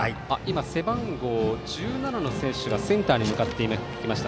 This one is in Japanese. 背番号１７の選手がセンターに向かいました。